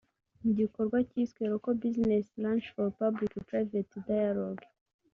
mu gikorwa cyiswe Local business lunches for Public-Private Dialogue